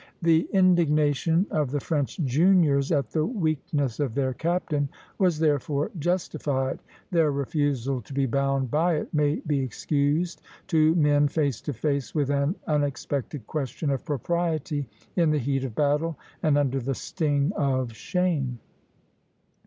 The indignation of the French juniors at the weakness of their captain was therefore justified; their refusal to be bound by it may be excused to men face to face with an unexpected question of propriety, in the heat of battle and under the sting of shame.